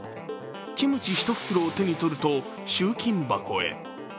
キムチ１袋を手に取ると、集金箱へ。